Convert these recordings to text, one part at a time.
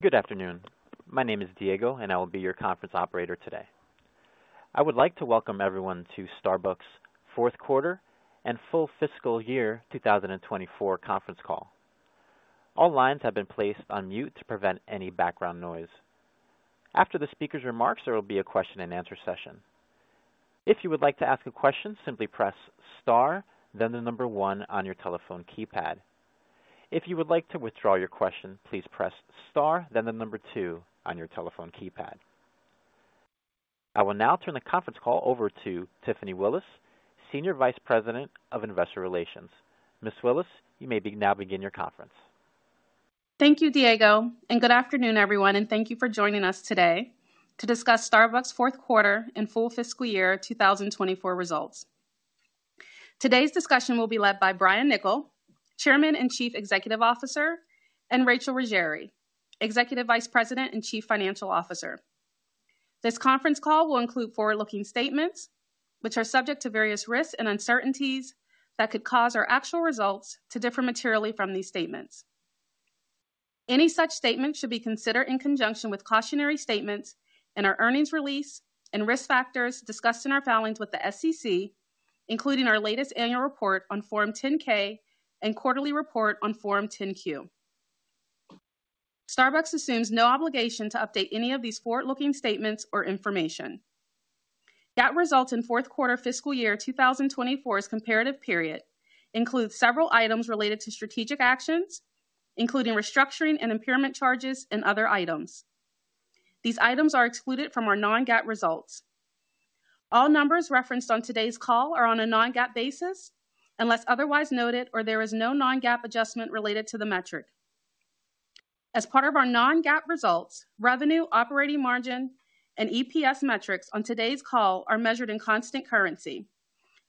Good afternoon. My name is Diego, and I will be your conference operator today. I would like to welcome everyone to Starbucks' fourth quarter and full fiscal year 2024 conference call. All lines have been placed on mute to prevent any background noise. After the speaker's remarks, there will be a question-and-answer session. If you would like to ask a question, simply press star, then the number one on your telephone keypad. If you would like to withdraw your question, please press star, then the number two on your telephone keypad. I will now turn the conference call over to Tiffany Willis, Senior Vice President of Investor Relations. Ms. Willis, you may now begin your conference. Thank you, Diego, and good afternoon, everyone, and thank you for joining us today to discuss Starbucks' fourth quarter and full fiscal year 2024 results. Today's discussion will be led by Brian Niccol, Chairman and Chief Executive Officer, and Rachel Ruggeri, Executive Vice President and Chief Financial Officer. This conference call will include forward-looking statements, which are subject to various risks and uncertainties that could cause our actual results to differ materially from these statements. Any such statements should be considered in conjunction with cautionary statements in our earnings release and risk factors discussed in our filings with the SEC, including our latest annual report on Form 10-K and quarterly report on Form 10-Q. Starbucks assumes no obligation to update any of these forward-looking statements or information. GAAP results in fourth quarter fiscal year 2024's comparative period include several items related to strategic actions, including restructuring and impairment charges and other items. These items are excluded from our non-GAAP results. All numbers referenced on today's call are on a non-GAAP basis unless otherwise noted, or there is no non-GAAP adjustment related to the metric. As part of our non-GAAP results, revenue, operating margin, and EPS metrics on today's call are measured in constant currency,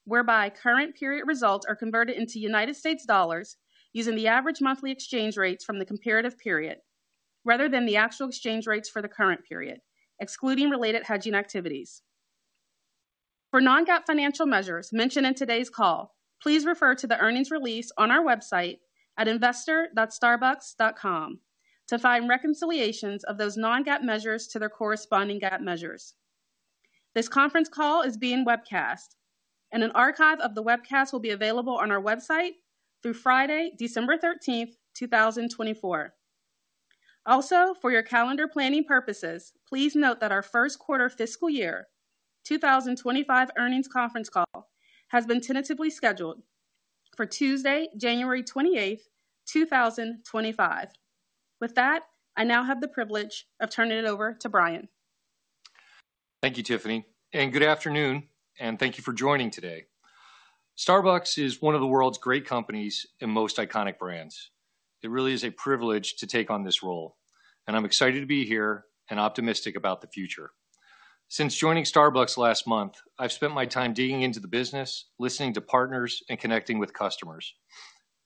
whereby current period results are converted into United States dollars using the average monthly exchange rates from the comparative period rather than the actual exchange rates for the current period, excluding related hedging activities. For non-GAAP financial measures mentioned in today's call, please refer to the earnings release on our website at investor.starbucks.com to find reconciliations of those non-GAAP measures to their corresponding GAAP measures. This conference call is being webcast, and an archive of the webcast will be available on our website through Friday, December 13, 2024. Also, for your calendar planning purposes, please note that our first quarter fiscal year 2025 earnings conference call has been tentatively scheduled for Tuesday, January 28, 2025. With that, I now have the privilege of turning it over to Brian. Thank you, Tiffany, and good afternoon, and thank you for joining today. Starbucks is one of the world's great companies and most iconic brands. It really is a privilege to take on this role, and I'm excited to be here and optimistic about the future. Since joining Starbucks last month, I've spent my time digging into the business, listening to partners, and connecting with customers.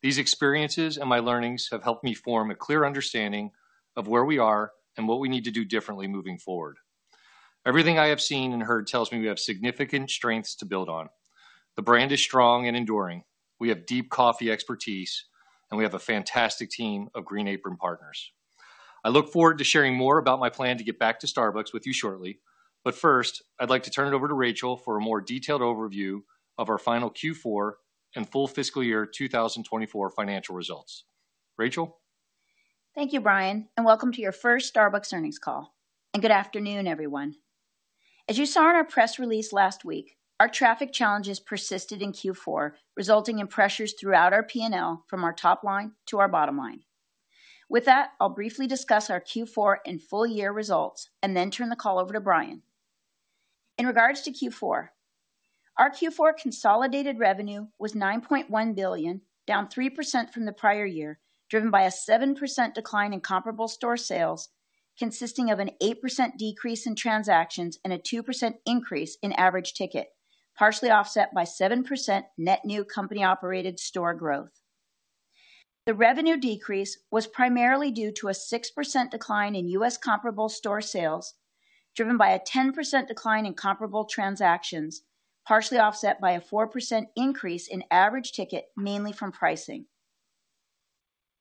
These experiences and my learnings have helped me form a clear understanding of where we are and what we need to do differently moving forward. Everything I have seen and heard tells me we have significant strengths to build on. The brand is strong and enduring. We have deep coffee expertise, and we have a fantastic team of Green Apron partners. I look forward to sharing more about my plan to get back to Starbucks with you shortly, but first, I'd like to turn it over to Rachel for a more detailed overview of our final Q4 and full fiscal year 2024 financial results. Rachel. Thank you, Brian, and welcome to your first Starbucks earnings call, and good afternoon, everyone. As you saw in our press release last week, our traffic challenges persisted in Q4, resulting in pressures throughout our P&L from our top line to our bottom line. With that, I'll briefly discuss our Q4 and full year results and then turn the call over to Brian. In regards to Q4, our Q4 consolidated revenue was $9.1 billion, down 3% from the prior year, driven by a 7% decline in comparable store sales, consisting of an 8% decrease in transactions and a 2% increase in average ticket, partially offset by 7% net new company-operated store growth. The revenue decrease was primarily due to a 6% decline in U.S. comparable store sales, driven by a 10% decline in comparable transactions, partially offset by a 4% increase in average ticket, mainly from pricing.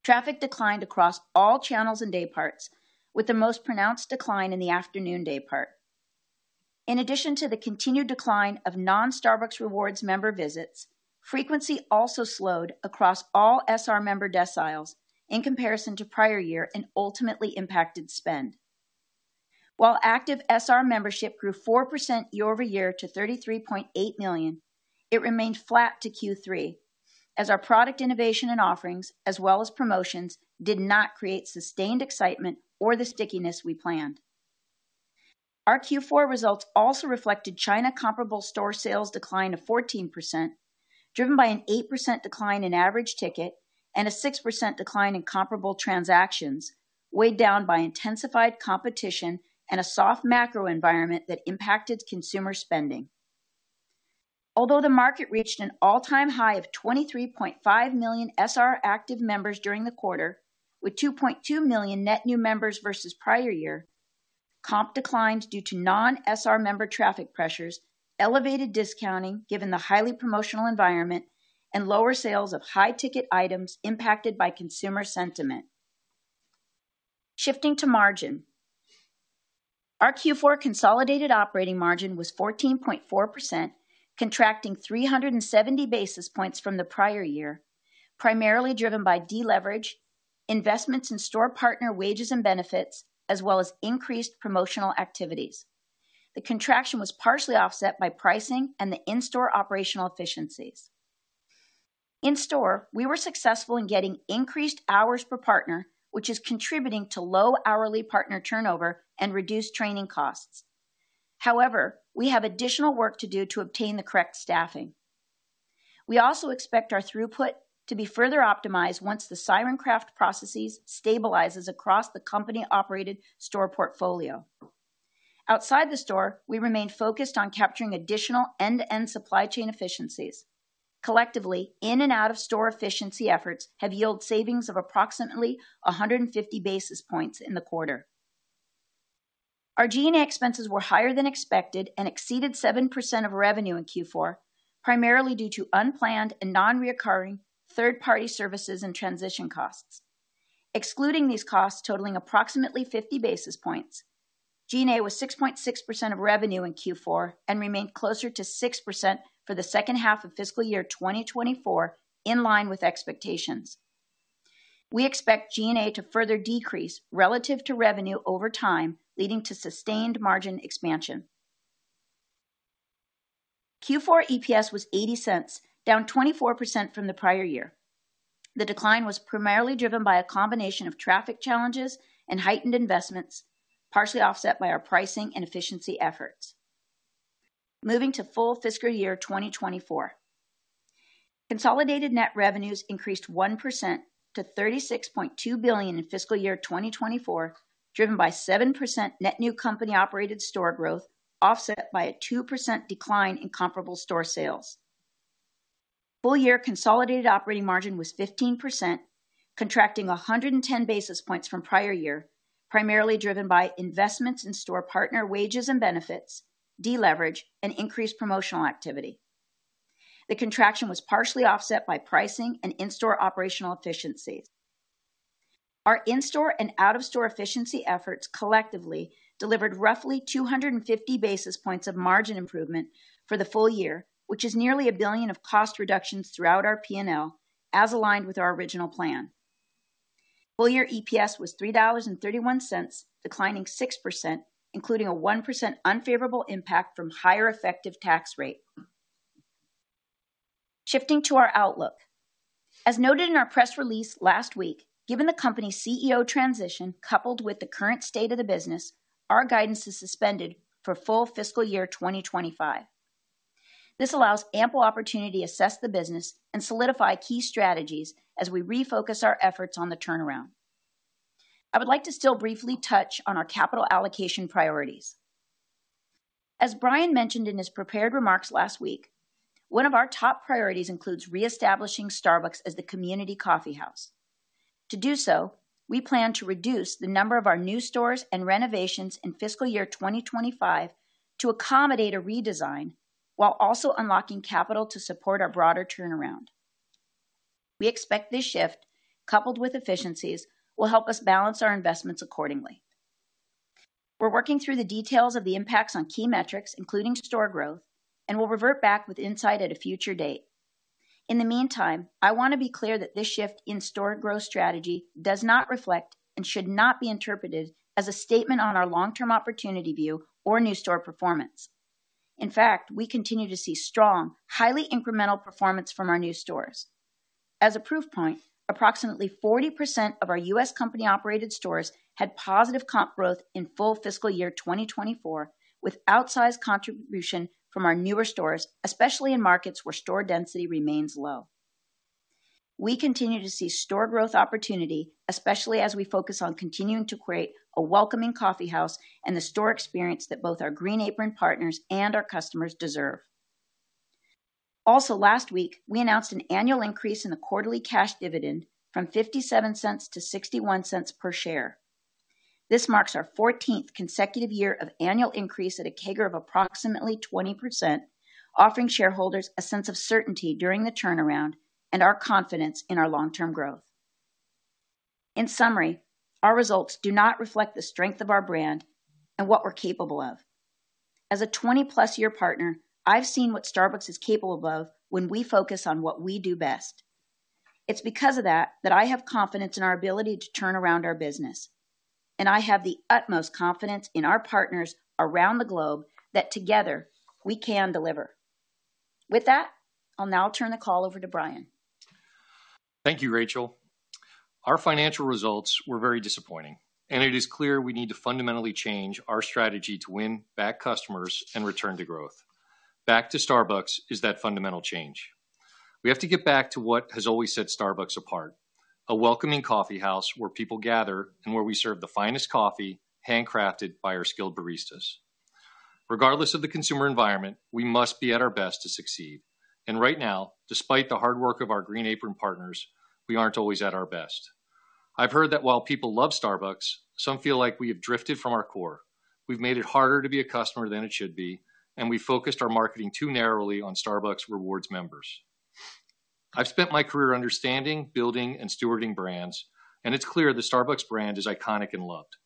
Traffic declined across all channels and day parts, with the most pronounced decline in the afternoon day part. In addition to the continued decline of non-Starbucks Rewards member visits, frequency also slowed across all SR member deciles in comparison to prior year and ultimately impacted spend. While active SR membership grew 4% year-over-year to 33.8 million, it remained flat to Q3, as our product innovation and offerings, as well as promotions, did not create sustained excitement or the stickiness we planned. Our Q4 results also reflected China comparable store sales decline of 14%, driven by an 8% decline in average ticket and a 6% decline in comparable transactions, weighed down by intensified competition and a soft macro environment that impacted consumer spending. Although the market reached an all-time high of 23.5 million SR active members during the quarter, with 2.2 million net new members versus prior year, comp declined due to non-SR member traffic pressures, elevated discounting given the highly promotional environment, and lower sales of high-ticket items impacted by consumer sentiment. Shifting to margin, our Q4 consolidated operating margin was 14.4%, contracting 370 basis points from the prior year, primarily driven by deleverage, investments in store partner wages and benefits, as well as increased promotional activities. The contraction was partially offset by pricing and the in-store operational efficiencies. In-store, we were successful in getting increased hours per partner, which is contributing to low hourly partner turnover and reduced training costs. However, we have additional work to do to obtain the correct staffing. We also expect our throughput to be further optimized once the Siren Craft processes stabilize across the company-operated store portfolio. Outside the store, we remained focused on capturing additional end-to-end supply chain efficiencies. Collectively, in and out of store efficiency efforts have yielded savings of approximately 150 basis points in the quarter. Our G&A expenses were higher than expected and exceeded 7% of revenue in Q4, primarily due to unplanned and non-recurring third-party services and transition costs. Excluding these costs totaling approximately 50 basis points, G&A was 6.6% of revenue in Q4 and remained closer to 6% for the second half of fiscal year 2024, in line with expectations. We expect G&A to further decrease relative to revenue over time, leading to sustained margin expansion. Q4 EPS was $0.80, down 24% from the prior year. The decline was primarily driven by a combination of traffic challenges and heightened investments, partially offset by our pricing and efficiency efforts. Moving to full fiscal year 2024, consolidated net revenues increased 1% to $36.2 billion in fiscal year 2024, driven by 7% net new company-operated store growth, offset by a 2% decline in comparable store sales. Full year consolidated operating margin was 15%, contracting 110 basis points from prior year, primarily driven by investments in store partner wages and benefits, deleverage, and increased promotional activity. The contraction was partially offset by pricing and in-store operational efficiencies. Our in-store and out-of-store efficiency efforts collectively delivered roughly 250 basis points of margin improvement for the full year, which is nearly $1 billion of cost reductions throughout our P&L, as aligned with our original plan. Full year EPS was $3.31, declining 6%, including a 1% unfavorable impact from higher effective tax rate. Shifting to our outlook, as noted in our press release last week, given the company's CEO transition coupled with the current state of the business, our guidance is suspended for full fiscal year 2025. This allows ample opportunity to assess the business and solidify key strategies as we refocus our efforts on the turnaround. I would like to still briefly touch on our capital allocation priorities. As Brian mentioned in his prepared remarks last week, one of our top priorities includes reestablishing Starbucks as the community coffeehouse. To do so, we plan to reduce the number of our new stores and renovations in fiscal year 2025 to accommodate a redesign while also unlocking capital to support our broader turnaround. We expect this shift, coupled with efficiencies, will help us balance our investments accordingly. We're working through the details of the impacts on key metrics, including store growth, and we'll revert back with insight at a future date. In the meantime, I want to be clear that this shift in store growth strategy does not reflect and should not be interpreted as a statement on our long-term opportunity view or new store performance. In fact, we continue to see strong, highly incremental performance from our new stores. As a proof point, approximately 40% of our U.S. company-operated stores had positive comp growth in full fiscal year 2024 with outsized contribution from our newer stores, especially in markets where store density remains low. We continue to see store growth opportunity, especially as we focus on continuing to create a welcoming coffeehouse and the store experience that both our Green Apron partners and our customers deserve. Also, last week, we announced an annual increase in the quarterly cash dividend from $0.57 to $0.61 per share. This marks our 14th consecutive year of annual increase at a CAGR of approximately 20%, offering shareholders a sense of certainty during the turnaround and our confidence in our long-term growth. In summary, our results do not reflect the strength of our brand and what we're capable of. As a 20-plus year partner, I've seen what Starbucks is capable of when we focus on what we do best. It's because of that that I have confidence in our ability to turn around our business, and I have the utmost confidence in our partners around the globe that together we can deliver. With that, I'll now turn the call over to Brian. Thank you, Rachel. Our financial results were very disappointing, and it is clear we need to fundamentally change our strategy to win back customers and return to growth. Back to Starbucks is that fundamental change. We have to get back to what has always set Starbucks apart: a welcoming coffeehouse where people gather and where we serve the finest coffee handcrafted by our skilled baristas. Regardless of the consumer environment, we must be at our best to succeed. And right now, despite the hard work of our Green Apron partners, we aren't always at our best. I've heard that while people love Starbucks, some feel like we have drifted from our core. We've made it harder to be a customer than it should be, and we've focused our marketing too narrowly on Starbucks Rewards members. I've spent my career understanding, building, and stewarding brands, and it's clear the Starbucks brand is iconic and loved.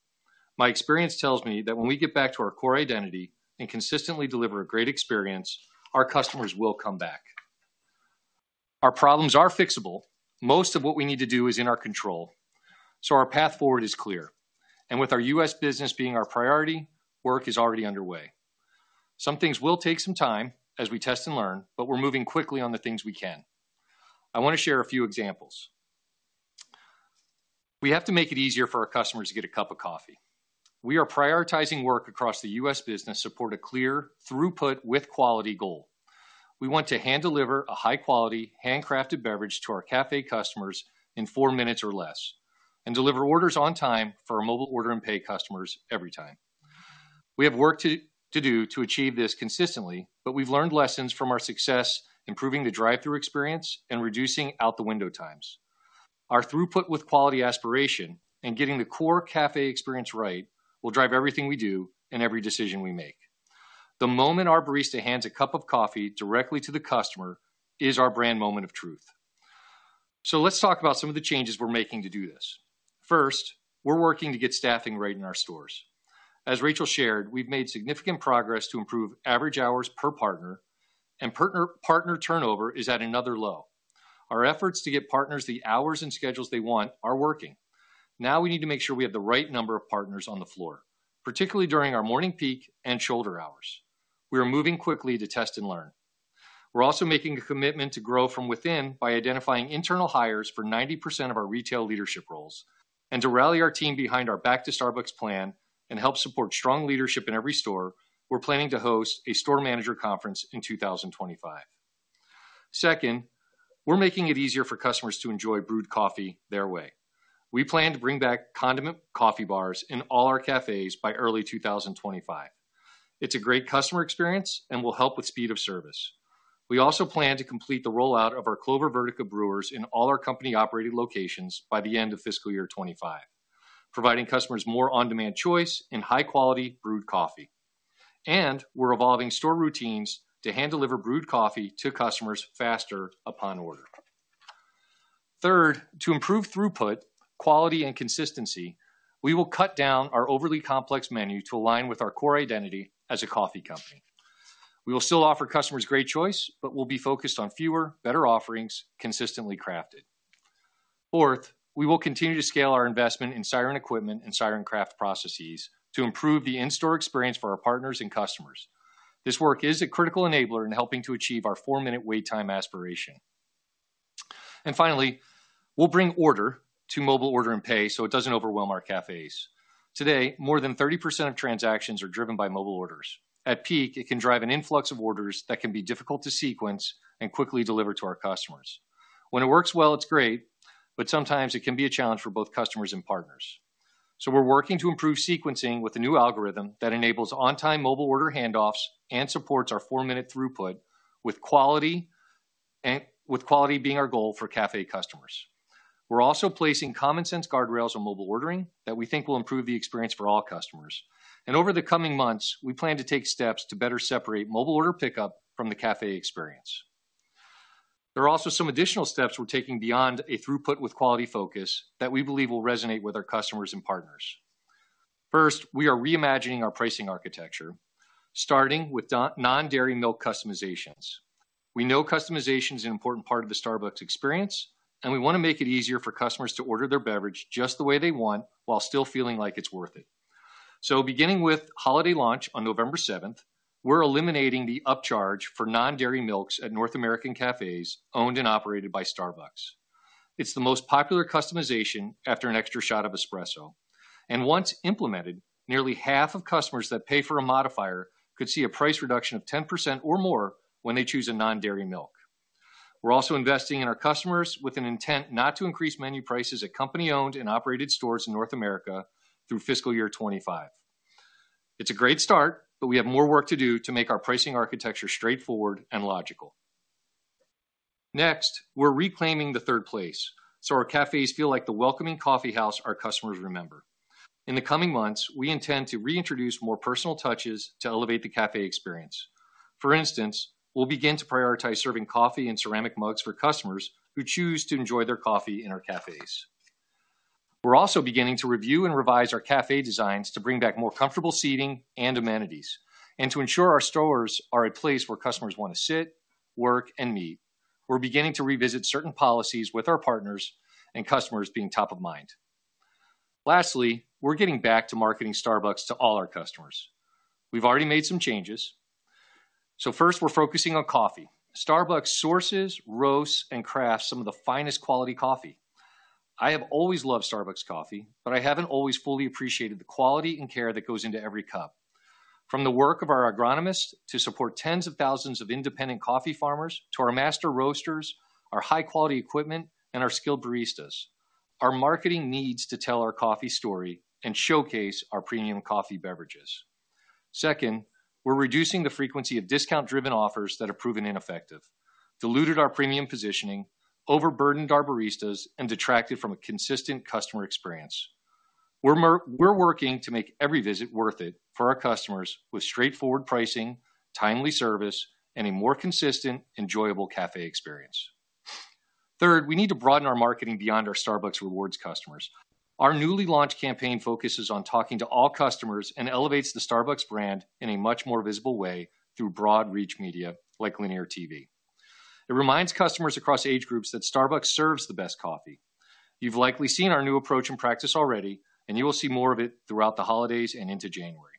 My experience tells me that when we get back to our core identity and consistently deliver a great experience, our customers will come back. Our problems are fixable. Most of what we need to do is in our control, so our path forward is clear. And with our U.S. business being our priority, work is already underway. Some things will take some time as we test and learn, but we're moving quickly on the things we can. I want to share a few examples. We have to make it easier for our customers to get a cup of coffee. We are prioritizing work across the U.S. business to support a clear throughput with quality goal. We want to hand-deliver a high-quality handcrafted beverage to our café customers in four minutes or less and deliver orders on time for our Mobile Order and Pay customers every time. We have work to do to achieve this consistently, but we've learned lessons from our success improving the drive-through experience and reducing out-the-window times. Our throughput with quality aspiration and getting the core café experience right will drive everything we do and every decision we make. The moment our barista hands a cup of coffee directly to the customer is our brand moment of truth. So let's talk about some of the changes we're making to do this. First, we're working to get staffing right in our stores. As Rachel shared, we've made significant progress to improve average hours per partner, and partner turnover is at another low. Our efforts to get partners the hours and schedules they want are working. Now we need to make sure we have the right number of partners on the floor, particularly during our morning peak and shoulder hours. We are moving quickly to test and learn. We're also making a commitment to grow from within by identifying internal hires for 90% of our retail leadership roles and to rally our team behind our Back to Starbucks plan and help support strong leadership in every store. We're planning to host a store manager conference in 2025. Second, we're making it easier for customers to enjoy brewed coffee their way. We plan to bring back condiment coffee bars in all our cafés by early 2025. It's a great customer experience and will help with speed of service. We also plan to complete the rollout of our Clover Vertica brewers in all our company-operated locations by the end of fiscal year 2025, providing customers more on-demand choice and high-quality brewed coffee. And we're evolving store routines to hand-deliver brewed coffee to customers faster upon order. Third, to improve throughput, quality, and consistency, we will cut down our overly complex menu to align with our core identity as a coffee company. We will still offer customers great choice, but we'll be focused on fewer, better offerings consistently crafted. Fourth, we will continue to scale our investment in Siren equipment and Siren Craft processes to improve the in-store experience for our partners and customers. This work is a critical enabler in helping to achieve our four-minute wait time aspiration. And finally, we'll bring order to Mobile Order and Pay so it doesn't overwhelm our cafés. Today, more than 30% of transactions are driven by mobile orders. At peak, it can drive an influx of orders that can be difficult to sequence and quickly deliver to our customers. When it works well, it's great, but sometimes it can be a challenge for both customers and partners, so we're working to improve sequencing with a new algorithm that enables on-time mobile order handoffs and supports our four-minute throughput with quality being our goal for café customers. We're also placing common-sense guardrails on mobile ordering that we think will improve the experience for all customers, and over the coming months, we plan to take steps to better separate mobile order pickup from the café experience. There are also some additional steps we're taking beyond a throughput with quality focus that we believe will resonate with our customers and partners. First, we are reimagining our pricing architecture, starting with non-dairy milk customizations. We know customization is an important part of the Starbucks experience, and we want to make it easier for customers to order their beverage just the way they want while still feeling like it's worth it. So beginning with holiday launch on November 7th, we're eliminating the upcharge for non-dairy milks at North American cafés owned and operated by Starbucks. It's the most popular customization after an extra shot of espresso. And once implemented, nearly half of customers that pay for a modifier could see a price reduction of 10% or more when they choose a non-dairy milk. We're also investing in our customers with an intent not to increase menu prices at company-owned and operated stores in North America through fiscal year 2025. It's a great start, but we have more work to do to make our pricing architecture straightforward and logical. Next, we're reclaiming the third place so our cafés feel like the welcoming coffeehouse our customers remember. In the coming months, we intend to reintroduce more personal touches to elevate the café experience. For instance, we'll begin to prioritize serving coffee and ceramic mugs for customers who choose to enjoy their coffee in our cafés. We're also beginning to review and revise our café designs to bring back more comfortable seating and amenities and to ensure our stores are a place where customers want to sit, work, and meet. We're beginning to revisit certain policies with our partners and customers being top of mind. Lastly, we're getting back to marketing Starbucks to all our customers. We've already made some changes. So first, we're focusing on coffee. Starbucks sources, roasts, and crafts some of the finest quality coffee. I have always loved Starbucks coffee, but I haven't always fully appreciated the quality and care that goes into every cup. From the work of our agronomists to support tens of thousands of independent coffee farmers to our master roasters, our high-quality equipment, and our skilled baristas, our marketing needs to tell our coffee story and showcase our premium coffee beverages. Second, we're reducing the frequency of discount-driven offers that have proven ineffective, diluted our premium positioning, overburdened our baristas, and detracted from a consistent customer experience. We're working to make every visit worth it for our customers with straightforward pricing, timely service, and a more consistent, enjoyable café experience. Third, we need to broaden our marketing beyond our Starbucks Rewards customers. Our newly launched campaign focuses on talking to all customers and elevates the Starbucks brand in a much more visible way through broad reach media like linear TV. It reminds customers across age groups that Starbucks serves the best coffee. You've likely seen our new approach in practice already, and you will see more of it throughout the holidays and into January.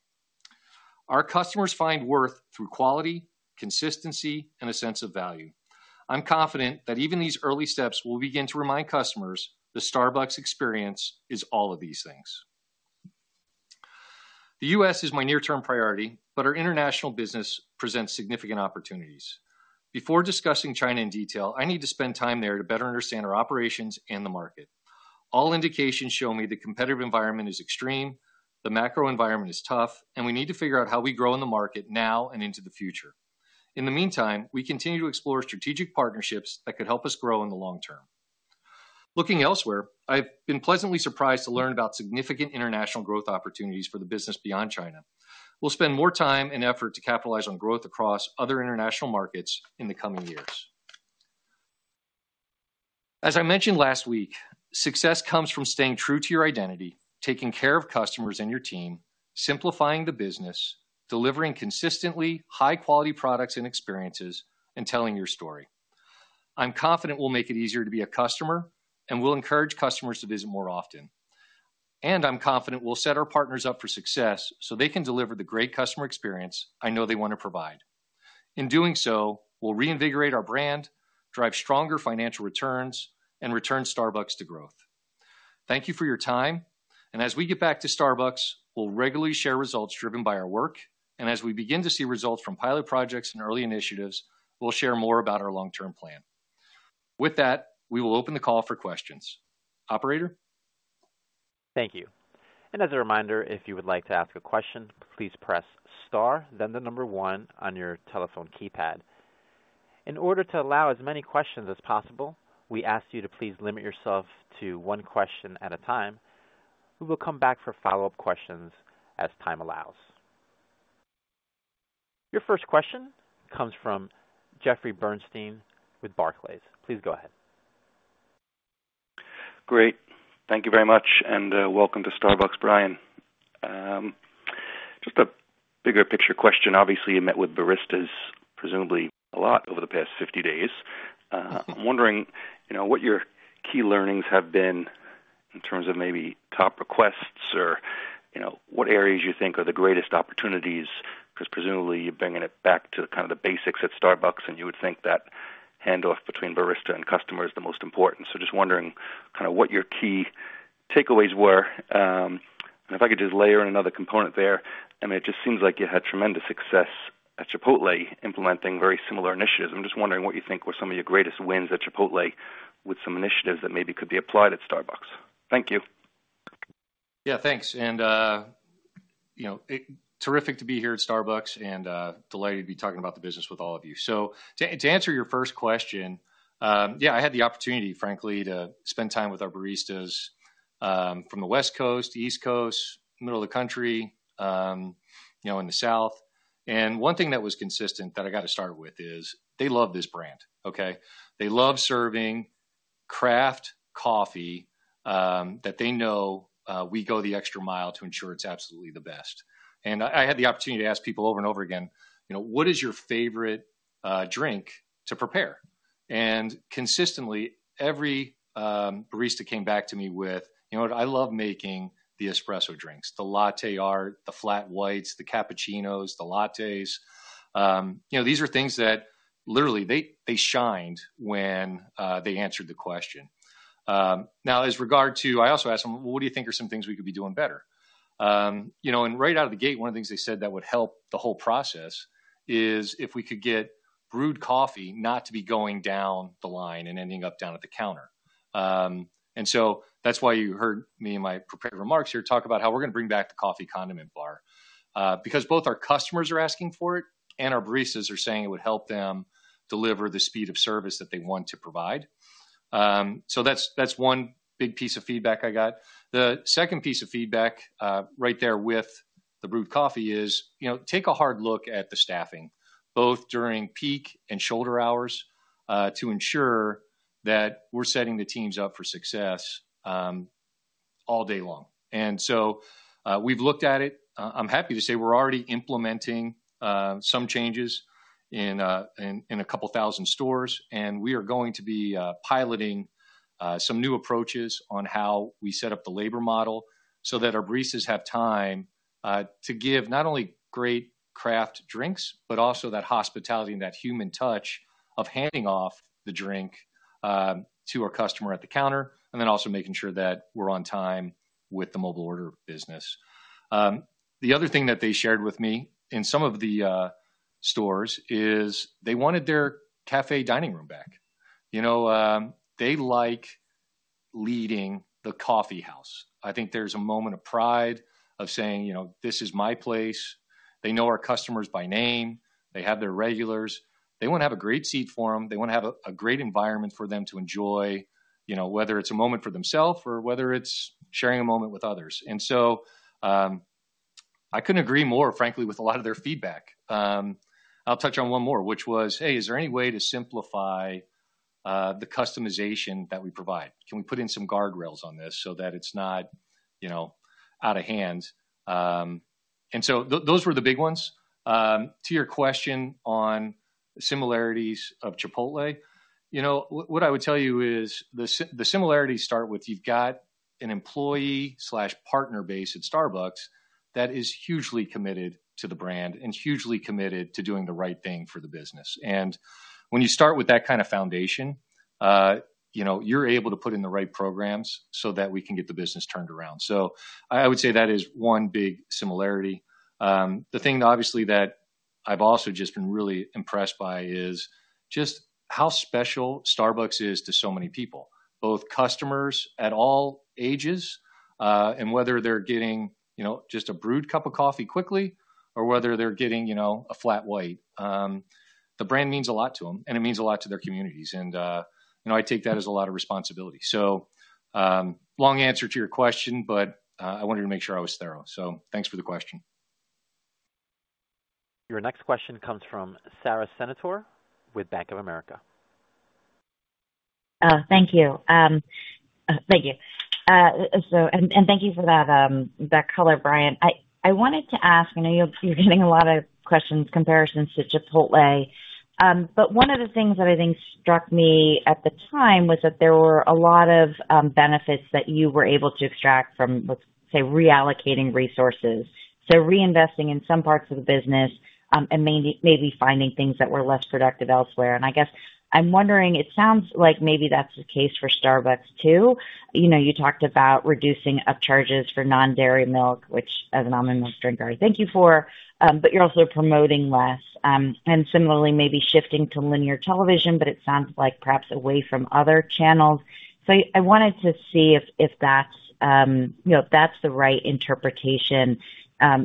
Our customers find worth through quality, consistency, and a sense of value. I'm confident that even these early steps will begin to remind customers the Starbucks experience is all of these things. The U.S. is my near-term priority, but our international business presents significant opportunities. Before discussing China in detail, I need to spend time there to better understand our operations and the market. All indications show that the competitive environment is extreme, the macro environment is tough, and we need to figure out how we grow in the market now and into the future. In the meantime, we continue to explore strategic partnerships that could help us grow in the long term. Looking elsewhere, I've been pleasantly surprised to learn about significant international growth opportunities for the business beyond China. We'll spend more time and effort to capitalize on growth across other international markets in the coming years. As I mentioned last week, success comes from staying true to your identity, taking care of customers and your team, simplifying the business, delivering consistently high-quality products and experiences, and telling your story. I'm confident we'll make it easier to be a customer, and we'll encourage customers to visit more often. And I'm confident we'll set our partners up for success so they can deliver the great customer experience I know they want to provide. In doing so, we'll reinvigorate our brand, drive stronger financial returns, and return Starbucks to growth. Thank you for your time. And as we get back to Starbucks, we'll regularly share results driven by our work. And as we begin to see results from pilot projects and early initiatives, we'll share more about our long-term plan. With that, we will open the call for questions. Operator? Thank you. And as a reminder, if you would like to ask a question, please press star, then the number one on your telephone keypad. In order to allow as many questions as possible, we ask you to please limit yourself to one question at a time. We will come back for follow-up questions as time allows. Your first question comes from Jeffrey Bernstein with Barclays. Please go ahead. Great. Thank you very much, and welcome to Starbucks, Brian. Just a bigger picture question. Obviously, you met with baristas presumably a lot over the past 50 days. I'm wondering what your key learnings have been in terms of maybe top requests or what areas you think are the greatest opportunities because presumably you're bringing it back to kind of the basics at Starbucks, and you would think that handoff between barista and customer is the most important. So just wondering kind of what your key takeaways were? And if I could just layer in another component there, I mean, it just seems like you had tremendous success at Chipotle implementing very similar initiatives. I'm just wondering what you think were some of your greatest wins at Chipotle with some initiatives that maybe could be applied at Starbucks? Thank you. Yeah, thanks. And terrific to be here at Starbucks and delighted to be talking about the business with all of you. So to answer your first question, yeah, I had the opportunity, frankly, to spend time with our baristas from the West Coast, East Coast, middle of the country, in the South. And one thing that was consistent that I got to start with is they love this brand, okay? They love serving craft coffee that they know we go the extra mile to ensure it's absolutely the best. And I had the opportunity to ask people over and over again, "What is your favorite drink to prepare?" And consistently, every barista came back to me with, "You know what? I love making the espresso drinks, the latte art, the flat whites, the cappuccinos, the lattes." These are things that literally they shined when they answered the question. Now, as regards to, I also asked them, "Well, what do you think are some things we could be doing better?" And right out of the gate, one of the things they said that would help the whole process is if we could get brewed coffee not to be going down the line and ending up down at the counter. And so that's why you heard me and my prepared remarks here talk about how we're going to bring back the coffee condiment bar because both our customers are asking for it and our baristas are saying it would help them deliver the speed of service that they want to provide. So that's one big piece of feedback I got. The second piece of feedback right there with the brewed coffee is take a hard look at the staffing both during peak and shoulder hours to ensure that we're setting the teams up for success all day long, and so we've looked at it. I'm happy to say we're already implementing some changes in a couple thousand stores, and we are going to be piloting some new approaches on how we set up the labor model so that our baristas have time to give not only great craft drinks, but also that hospitality and that human touch of handing off the drink to our customer at the counter and then also making sure that we're on time with the mobile order business. The other thing that they shared with me in some of the stores is they wanted their café dining room back. They like leading the coffee house. I think there's a moment of pride of saying, "This is my place." They know our customers by name. They have their regulars. They want to have a great seat for them. They want to have a great environment for them to enjoy, whether it's a moment for themselves or whether it's sharing a moment with others. And so I couldn't agree more, frankly, with a lot of their feedback. I'll touch on one more, which was, "Hey, is there any way to simplify the customization that we provide? Can we put in some guardrails on this so that it's not out of hand?" And so those were the big ones. To your question on similarities of Chipotle, what I would tell you is the similarities start with you've got an employee/partner base at Starbucks that is hugely committed to the brand and hugely committed to doing the right thing for the business, and when you start with that kind of foundation, you're able to put in the right programs so that we can get the business turned around, so I would say that is one big similarity. The thing, obviously, that I've also just been really impressed by is just how special Starbucks is to so many people, both customers at all ages and whether they're getting just a brewed cup of coffee quickly or whether they're getting a flat white. The brand means a lot to them, and it means a lot to their communities, and I take that as a lot of responsibility. So long answer to your question, but I wanted to make sure I was thorough. So thanks for the question. Your next question comes from Sara Senatore with Bank of America. Thank you. Thank you. And thank you for that color, Brian. I wanted to ask. I know you're getting a lot of questions, comparisons to Chipotle, but one of the things that I think struck me at the time was that there were a lot of benefits that you were able to extract from, let's say, reallocating resources, so reinvesting in some parts of the business and maybe finding things that were less productive elsewhere. I guess I'm wondering, it sounds like maybe that's the case for Starbucks too. You talked about reducing upcharges for non-dairy milk, which, as an almond milk drinker, I thank you for, but you're also promoting less. Similarly, maybe shifting to linear television, but it sounds like perhaps away from other channels. So I wanted to see if that's the right interpretation,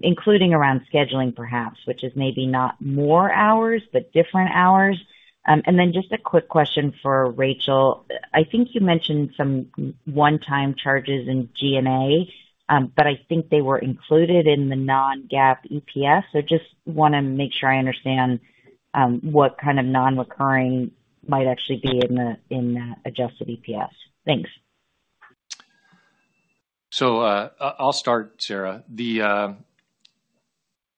including around scheduling, perhaps, which is maybe not more hours, but different hours. And then just a quick question for Rachel. I think you mentioned some one-time charges in G&A, but I think they were included in the non-GAAP EPS. So just want to make sure I understand what kind of non-recurring might actually be in that Adjusted EPS. Thanks. I'll start, Sara. To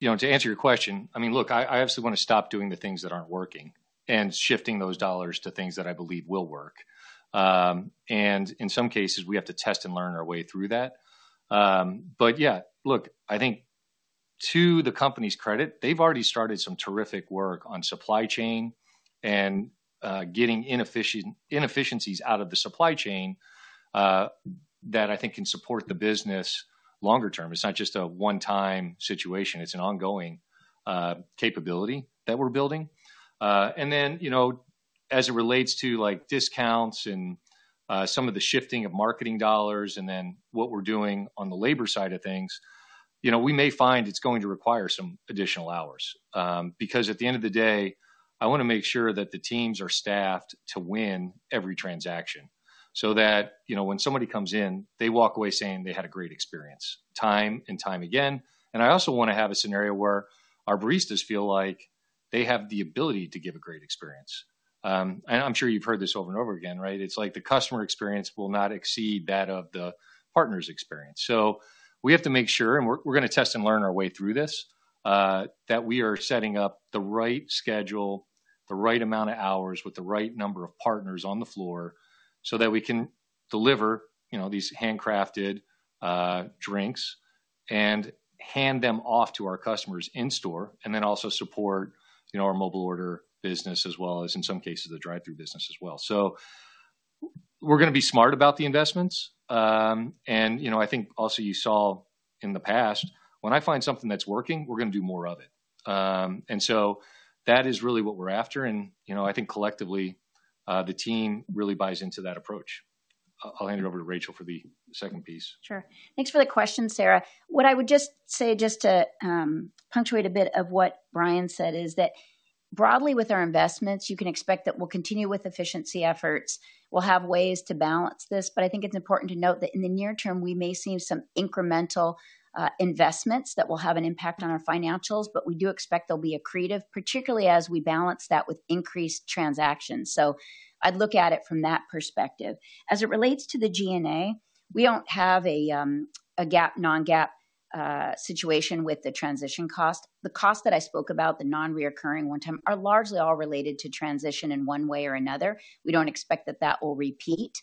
answer your question, I mean, look, I absolutely want to stop doing the things that aren't working and shifting those dollars to things that I believe will work. And in some cases, we have to test and learn our way through that. But yeah, look, I think to the company's credit, they've already started some terrific work on supply chain and getting inefficiencies out of the supply chain that I think can support the business longer term. It's not just a one-time situation. It's an ongoing capability that we're building. And then as it relates to discounts and some of the shifting of marketing dollars and then what we're doing on the labor side of things, we may find it's going to require some additional hours because at the end of the day, I want to make sure that the teams are staffed to win every transaction so that when somebody comes in, they walk away saying they had a great experience, time and time again. And I also want to have a scenario where our baristas feel like they have the ability to give a great experience. And I'm sure you've heard this over and over again, right? It's like the customer experience will not exceed that of the partner's experience. So we have to make sure, and we're going to test and learn our way through this, that we are setting up the right schedule, the right amount of hours with the right number of partners on the floor so that we can deliver these handcrafted drinks and hand them off to our customers in store and then also support our mobile order business as well as, in some cases, the drive-thru business as well. So we're going to be smart about the investments. And I think also you saw in the past, when I find something that's working, we're going to do more of it. And so that is really what we're after. And I think collectively, the team really buys into that approach. I'll hand it over to Rachel for the second piece. Sure. Thanks for the question, Sara. What I would just say just to punctuate a bit of what Brian said is that broadly with our investments, you can expect that we'll continue with efficiency efforts. We'll have ways to balance this. But I think it's important to note that in the near term, we may see some incremental investments that will have an impact on our financials, but we do expect they'll be accretive, particularly as we balance that with increased transactions. So I'd look at it from that perspective. As it relates to the G&A, we don't have a non-GAAP situation with the transition cost. The cost that I spoke about, the non-recurring one-time, are largely all related to transition in one way or another. We don't expect that that will repeat.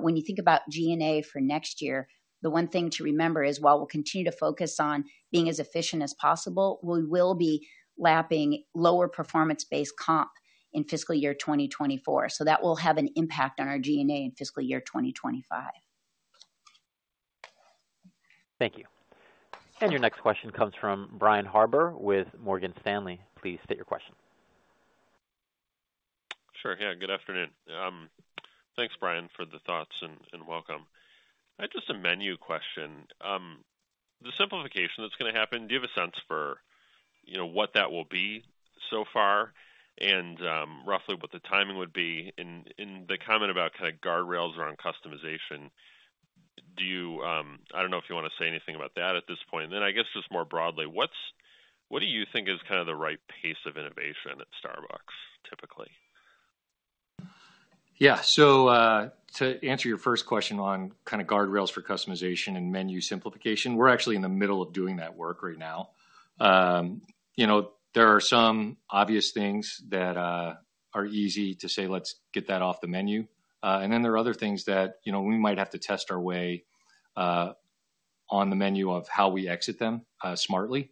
When you think about G&A for next year, the one thing to remember is while we'll continue to focus on being as efficient as possible, we will be lapping lower performance-based comp in fiscal year 2024. So that will have an impact on our G&A in fiscal year 2025. Thank you. And your next question comes from Brian Harbour with Morgan Stanley. Please state your question. Sure. Yeah, good afternoon. Thanks, Brian, for the thoughts and welcome. I had just a menu question. The simplification that's going to happen, do you have a sense for what that will be so far and roughly what the timing would be? And the comment about kind of guardrails around customization, I don't know if you want to say anything about that at this point. And then I guess just more broadly, what do you think is kind of the right pace of innovation at Starbucks typically? Yeah. So to answer your first question on kind of guardrails for customization and menu simplification, we're actually in the middle of doing that work right now. There are some obvious things that are easy to say, "Let's get that off the menu." And then there are other things that we might have to test our way on the menu of how we exit them smartly.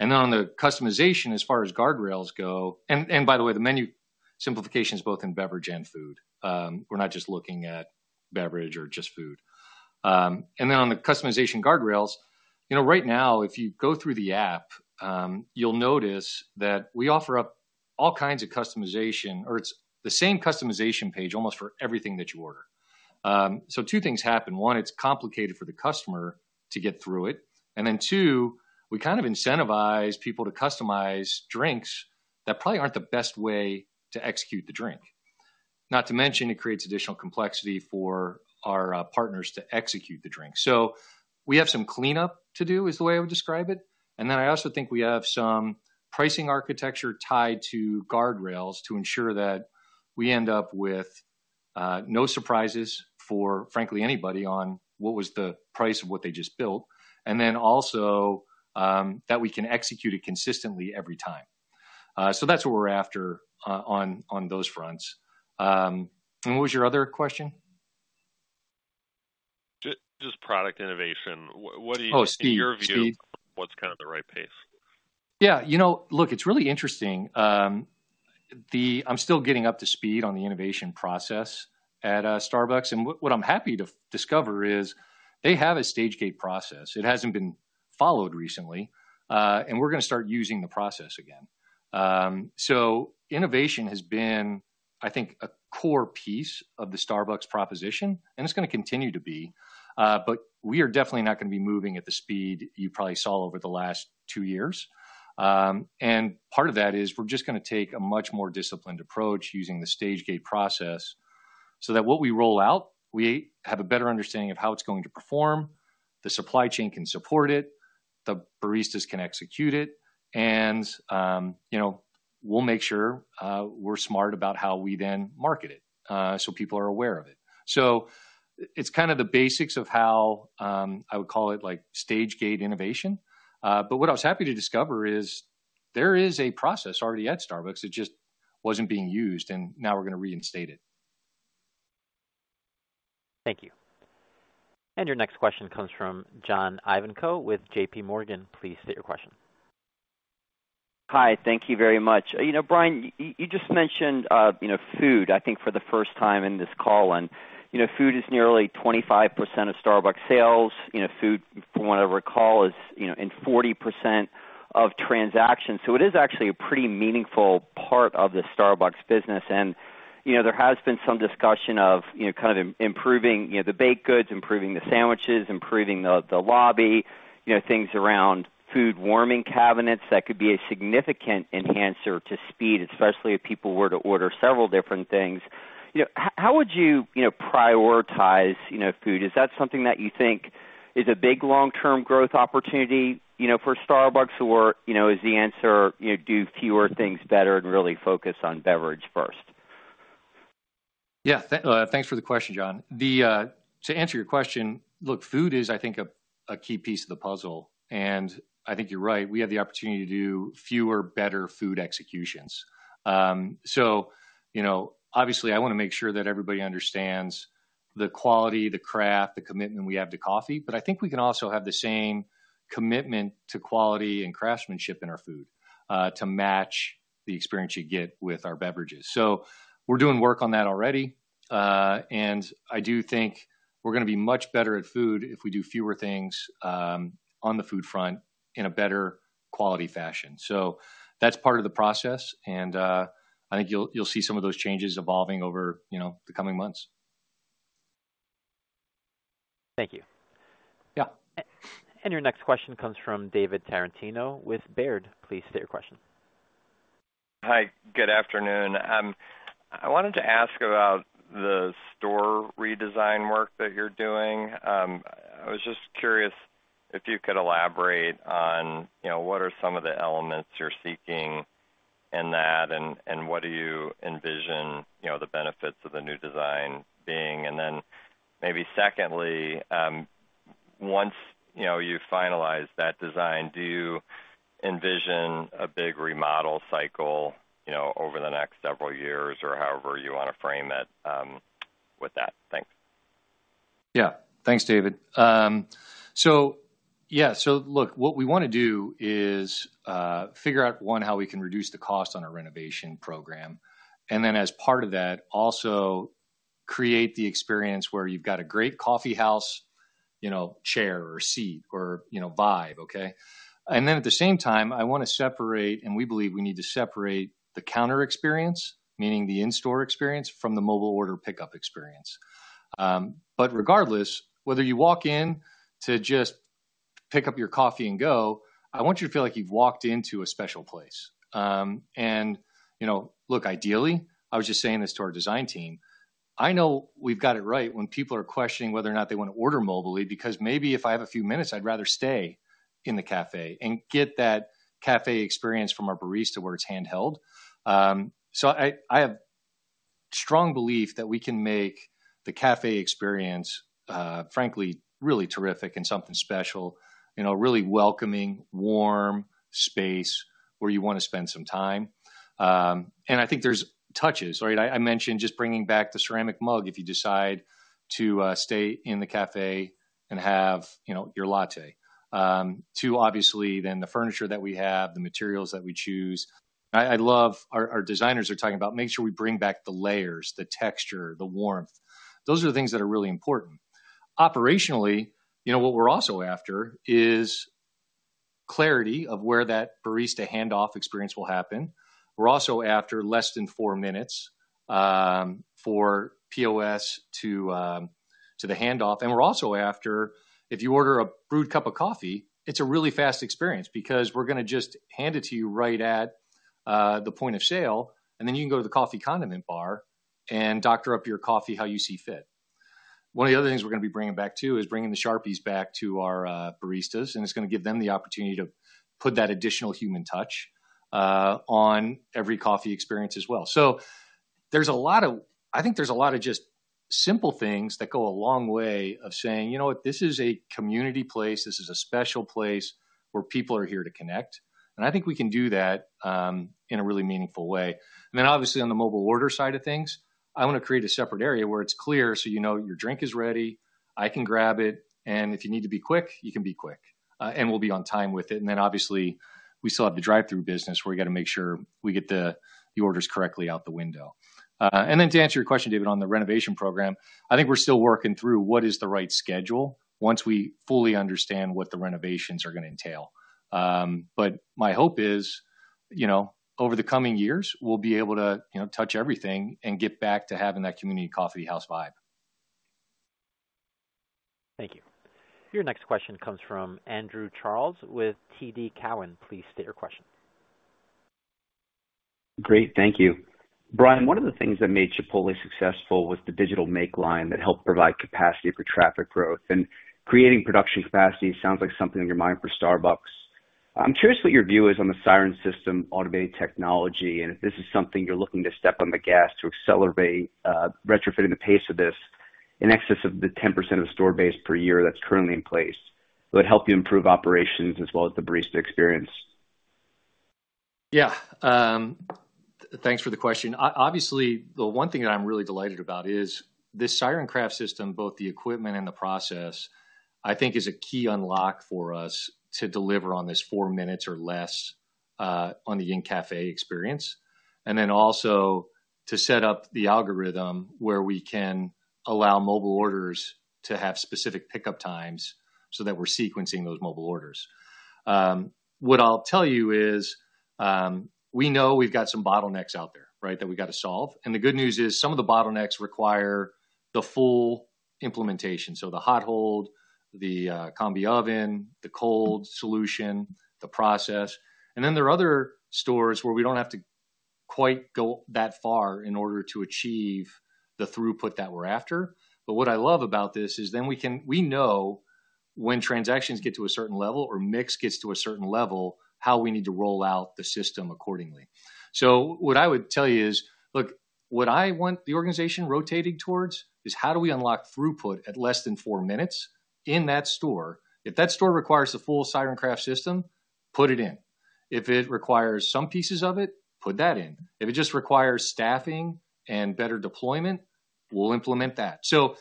And then on the customization, as far as guardrails go and by the way, the menu simplification is both in beverage and food. We're not just looking at beverage or just food. And then on the customization guardrails, right now, if you go through the app, you'll notice that we offer up all kinds of customization, or it's the same customization page almost for everything that you order. So two things happen. One, it's complicated for the customer to get through it. And then two, we kind of incentivize people to customize drinks that probably aren't the best way to execute the drink. Not to mention, it creates additional complexity for our partners to execute the drink. So we have some cleanup to do is the way I would describe it. And then I also think we have some pricing architecture tied to guardrails to ensure that we end up with no surprises for, frankly, anybody on what was the price of what they just built, and then also that we can execute it consistently every time. So that's what we're after on those fronts. And what was your other question? Just product innovation. What do you think, in your view, what's kind of the right pace? Yeah. Look, it's really interesting. I'm still getting up to speed on the innovation process at Starbucks, and what I'm happy to discover is they have a stage-gate process. It hasn't been followed recently, and we're going to start using the process again, so innovation has been, I think, a core piece of the Starbucks proposition, and it's going to continue to be, but we are definitely not going to be moving at the speed you probably saw over the last two years, and part of that is we're just going to take a much more disciplined approach using the stage-gate process so that what we roll out, we have a better understanding of how it's going to perform. The supply chain can support it. The baristas can execute it, and we'll make sure we're smart about how we then market it so people are aware of it. So it's kind of the basics of how I would call it stage-gate innovation. But what I was happy to discover is there is a process already at Starbucks. It just wasn't being used, and now we're going to reinstate it. Thank you. And your next question comes from John Ivankoe with J.P. Morgan. Please state your question. Hi. Thank you very much. Brian, you just mentioned food, I think, for the first time in this call. And food is nearly 25% of Starbucks sales. Food, from what I recall, is in 40% of transactions. So it is actually a pretty meaningful part of the Starbucks business. And there has been some discussion of kind of improving the baked goods, improving the sandwiches, improving the lobby, things around food warming cabinets that could be a significant enhancer to speed, especially if people were to order several different things. How would you prioritize food? Is that something that you think is a big long-term growth opportunity for Starbucks, or is the answer, do fewer things better and really focus on beverage first? Yeah. Thanks for the question, John. To answer your question, look, food is, I think, a key piece of the puzzle. And I think you're right. We have the opportunity to do fewer better food executions. So obviously, I want to make sure that everybody understands the quality, the craft, the commitment we have to coffee. But I think we can also have the same commitment to quality and craftsmanship in our food to match the experience you get with our beverages. So we're doing work on that already. And I do think we're going to be much better at food if we do fewer things on the food front in a better quality fashion. So that's part of the process. And I think you'll see some of those changes evolving over the coming months. Thank you. Yeah. And your next question comes from David Tarantino with Baird. Please state your question. Hi. Good afternoon. I wanted to ask about the store redesign work that you're doing. I was just curious if you could elaborate on what are some of the elements you're seeking in that, and what do you envision the benefits of the new design being, and then maybe secondly, once you finalize that design, do you envision a big remodel cycle over the next several years or however you want to frame it with that? Thanks. Yeah. Thanks, David. So yeah. So look, what we want to do is figure out, one, how we can reduce the cost on our renovation program. And then as part of that, also create the experience where you've got a great coffee house chair or seat or vibe, okay? And then at the same time, I want to separate, and we believe we need to separate the counter experience, meaning the in-store experience, from the mobile order pickup experience. But regardless, whether you walk in to just pick up your coffee and go, I want you to feel like you've walked into a special place. Look, ideally, I was just saying this to our design team. I know we've got it right when people are questioning whether or not they want to order mobilely because maybe if I have a few minutes, I'd rather stay in the café and get that café experience from our barista where it's handheld, so I have strong belief that we can make the café experience, frankly, really terrific and something special, a really welcoming, warm space where you want to spend some time, and I think there's touches, right? I mentioned just bringing back the ceramic mug if you decide to stay in the café and have your latte. Two, obviously, then the furniture that we have, the materials that we choose. I love our designers are talking about making sure we bring back the layers, the texture, the warmth. Those are the things that are really important. Operationally, what we're also after is clarity of where that barista handoff experience will happen. We're also after less than four minutes for POS to the handoff. And we're also after, if you order a brewed cup of coffee, it's a really fast experience because we're going to just hand it to you right at the point of sale, and then you can go to the coffee condiment bar and doctor up your coffee how you see fit. One of the other things we're going to be bringing back too is bringing the Sharpies back to our baristas. And it's going to give them the opportunity to put that additional human touch on every coffee experience as well. So there's a lot of, I think, just simple things that go a long way of saying, "You know what? This is a community place. This is a special place where people are here to connect." And I think we can do that in a really meaningful way. And then obviously, on the mobile order side of things, I want to create a separate area where it's clear so you know your drink is ready. I can grab it. And if you need to be quick, you can be quick and we'll be on time with it. And then obviously, we still have the drive-thru business where we got to make sure we get the orders correctly out the window. And then to answer your question, David, on the renovation program, I think we're still working through what is the right schedule once we fully understand what the renovations are going to entail. But my hope is over the coming years, we'll be able to touch everything and get back to having that community coffee house vibe. Thank you. Your next question comes from Andrew Charles with TD Cowen. Please state your question. Great. Thank you. Brian, one of the things that made Chipotle successful was the digital make line that helped provide capacity for traffic growth. And creating production capacity sounds like something on your mind for Starbucks. I'm curious what your view is on the Siren System automated technology, and if this is something you're looking to step on the gas to accelerate, retrofitting the pace of this in excess of the 10% of the store base per year that's currently in place. Would it help you improve operations as well as the barista experience? Yeah. Thanks for the question. Obviously, the one thing that I'm really delighted about is this Siren Craft System, both the equipment and the process, I think is a key unlock for us to deliver on this four minutes or less on the in-café experience. And then also to set up the algorithm where we can allow mobile orders to have specific pickup times so that we're sequencing those mobile orders. What I'll tell you is we know we've got some bottlenecks out there, right, that we've got to solve. And the good news is some of the bottlenecks require the full implementation. So the hot hold, the combi oven, the cold solution, the process. And then there are other stores where we don't have to quite go that far in order to achieve the throughput that we're after. But what I love about this is then we know when transactions get to a certain level or mix gets to a certain level, how we need to roll out the system accordingly. So what I would tell you is, look, what I want the organization rotating towards is how do we unlock throughput at less than four minutes in that store? If that store requires the full Siren Craft System, put it in. If it requires some pieces of it, put that in. If it just requires staffing and better deployment, we'll implement that. So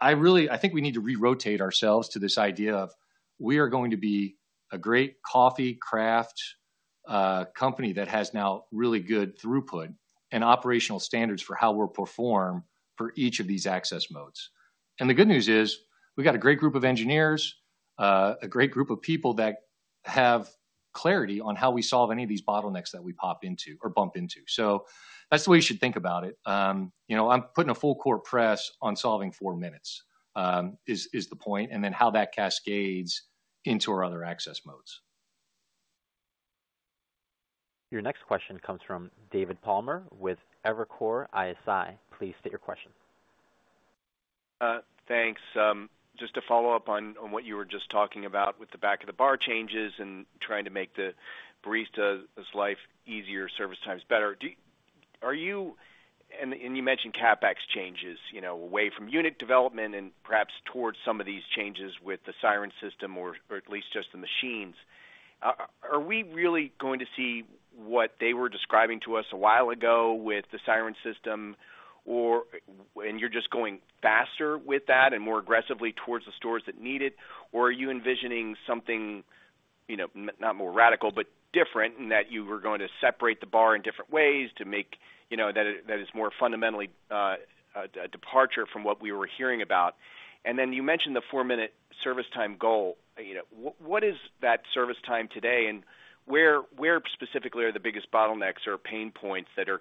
I think we need to re-rotate ourselves to this idea of we are going to be a great coffee craft company that has now really good throughput and operational standards for how we'll perform for each of these access modes. And the good news is we've got a great group of engineers, a great group of people that have clarity on how we solve any of these bottlenecks that we pop into or bump into. So that's the way you should think about it. I'm putting a full-court press on solving. Four minutes is the point, and then how that cascades into our other access modes. Your next question comes from David Palmer with Evercore ISI. Please state your question. Thanks. Just to follow up on what you were just talking about with the back-of-the-bar changes and trying to make the barista's life easier, service times better, and you mentioned CapEx changes away from unit development and perhaps towards some of these changes with the Siren System or at least just the machines. Are we really going to see what they were describing to us a while ago with the Siren System, and you're just going faster with that and more aggressively towards the stores that need it, or are you envisioning something not more radical, but different in that you were going to separate the bar in different ways to make that more fundamentally a departure from what we were hearing about, and then you mentioned the four-minute service time goal. What is that service time today? Where specifically are the biggest bottlenecks or pain points that are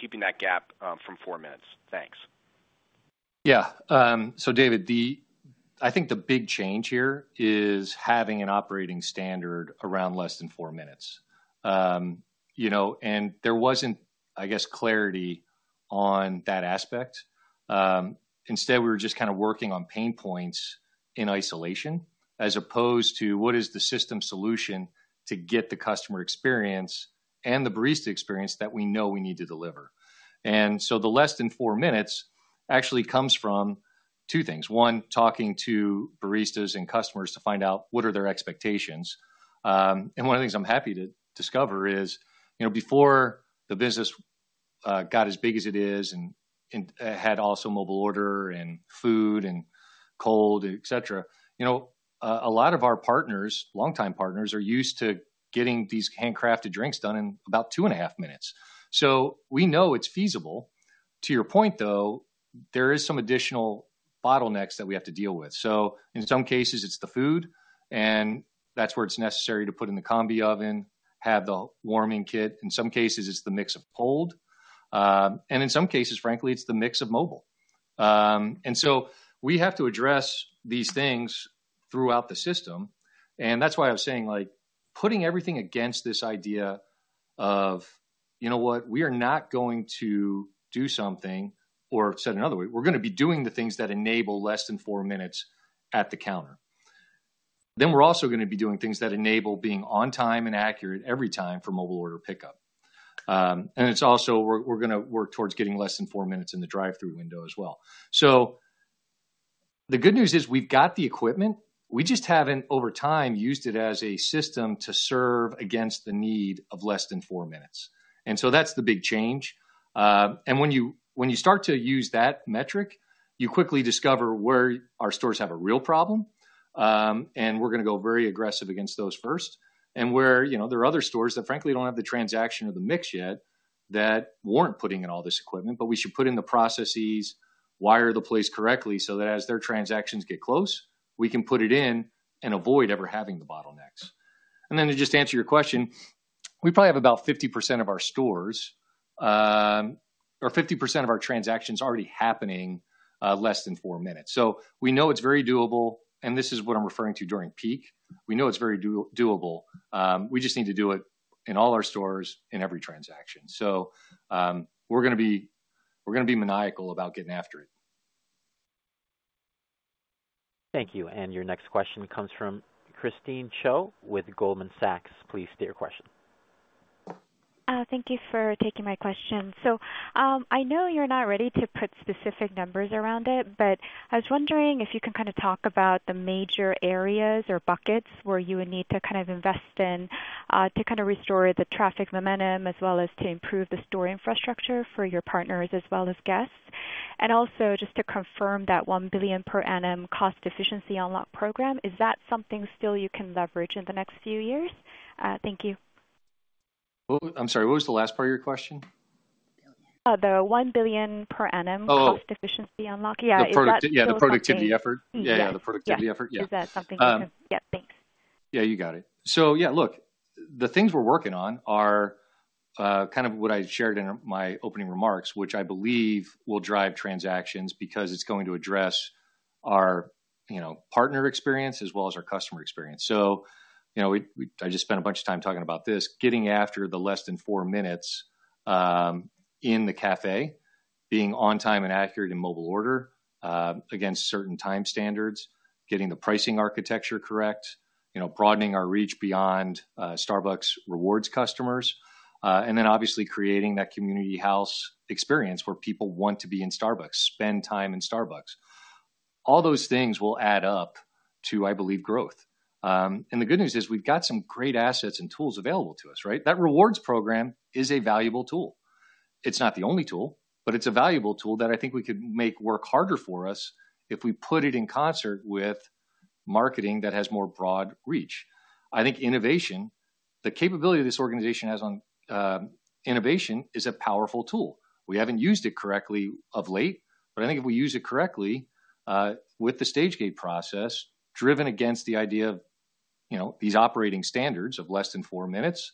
keeping that gap from four minutes? Thanks. Yeah. So, David, I think the big change here is having an operating standard around less than four minutes. There wasn't, I guess, clarity on that aspect. Instead, we were just kind of working on pain points in isolation as opposed to what is the system solution to get the customer experience and the barista experience that we know we need to deliver. So, the less than four minutes actually comes from two things. One, talking to baristas and customers to find out what are their expectations. One of the things I'm happy to discover is before the business got as big as it is and had also mobile order and food and cold, etc., a lot of our partners, longtime partners, are used to getting these handcrafted drinks done in about two and a half minutes. So we know it's feasible. To your point, though, there is some additional bottlenecks that we have to deal with. So in some cases, it's the food, and that's where it's necessary to put in the combi oven, have the warming kit. In some cases, it's the mix of cold. And in some cases, frankly, it's the mix of mobile. And so we have to address these things throughout the system. And that's why I was saying putting everything against this idea of, you know what? We are not going to do something or said another way, we're going to be doing the things that enable less than four minutes at the counter. Then we're also going to be doing things that enable being on time and accurate every time for mobile order pickup. And it's also we're going to work towards getting less than four minutes in the drive-thru window as well. So the good news is we've got the equipment. We just haven't, over time, used it as a system to serve against the need of less than four minutes. And so that's the big change. And when you start to use that metric, you quickly discover where our stores have a real problem, and we're going to go very aggressive against those first. And where there are other stores that, frankly, don't have the transaction or the mix yet that warrant putting in all this equipment, but we should put in the processes, wire the place correctly so that as their transactions get close, we can put it in and avoid ever having the bottlenecks. And then to just answer your question, we probably have about 50% of our stores or 50% of our transactions already happening less than four minutes. So we know it's very doable, and this is what I'm referring to during peak. We know it's very doable. We just need to do it in all our stores in every transaction. So we're going to be maniacal about getting after it. Thank you. And your next question comes from Christine Cho with Goldman Sachs. Please state your question. Thank you for taking my question. So I know you're not ready to put specific numbers around it, but I was wondering if you can kind of talk about the major areas or buckets where you would need to kind of invest in to kind of restore the traffic momentum as well as to improve the store infrastructure for your partners as well as guests. And also just to confirm that $1 billion per annum cost efficiency unlock program, is that something still you can leverage in the next few years? Thank you. I'm sorry. What was the last part of your question? The $1 billion per annum cost efficiency unlock. Yeah. Yeah. The productivity effort. Is that something you can? Yeah. Thanks. Yeah. You got it, so yeah, look, the things we're working on are kind of what I shared in my opening remarks, which I believe will drive transactions because it's going to address our partner experience as well as our customer experience, so I just spent a bunch of time talking about this, getting after the less than four minutes in the café, being on time and accurate in mobile order against certain time standards, getting the pricing architecture correct, broadening our reach beyond Starbucks Rewards customers, and then obviously creating that community house experience where people want to be in Starbucks, spend time in Starbucks. All those things will add up to, I believe, growth, and the good news is we've got some great assets and tools available to us, right? That rewards program is a valuable tool. It's not the only tool, but it's a valuable tool that I think we could make work harder for us if we put it in concert with marketing that has more broad reach. I think innovation, the capability this organization has on innovation is a powerful tool. We haven't used it correctly of late, but I think if we use it correctly with the stage-gate process driven against the idea of these operating standards of less than four minutes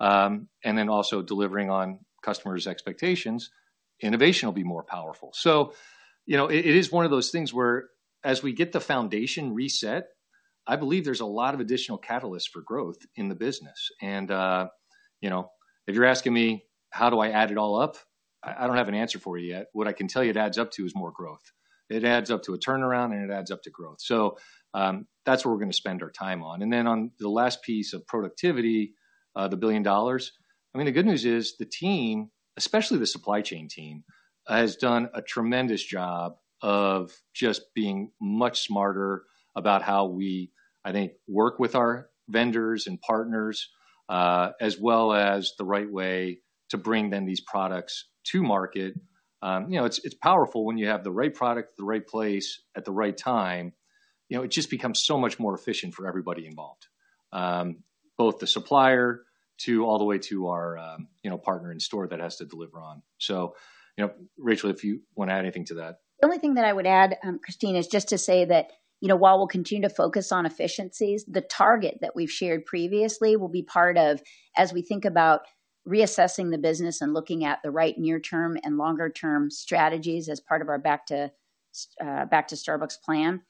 and then also delivering on customers' expectations, innovation will be more powerful. So it is one of those things where as we get the foundation reset, I believe there's a lot of additional catalysts for growth in the business. And if you're asking me how do I add it all up, I don't have an answer for you yet. What I can tell you it adds up to is more growth. It adds up to a turnaround, and it adds up to growth. So that's where we're going to spend our time on. And then on the last piece of productivity, the $1 billion, I mean, the good news is the team, especially the supply chain team, has done a tremendous job of just being much smarter about how we, I think, work with our vendors and partners as well as the right way to bring them these products to market. It's powerful when you have the right product at the right place at the right time. It just becomes so much more efficient for everybody involved, both the supplier all the way to our partner in store that has to deliver on. So Rachel, if you want to add anything to that. The only thing that I would add, Christine, is just to say that while we'll continue to focus on efficiencies, the target that we've shared previously will be part of as we think about reassessing the business and looking at the right near-term and longer-term strategies as part of our Back to Starbucks plan.